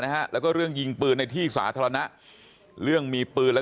บอกแล้วบอกแล้วบอกแล้วบอกแล้วบอกแล้วบอกแล้ว